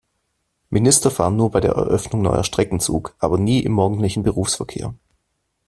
Minister fahren nur bei der Eröffnung neuer Strecken Zug, aber nie im morgendlichen Berufsverkehr.